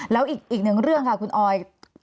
แล้วอีกหนึ่งเรื่องค่ะคุณออย